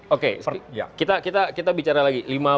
oke kita bicara lagi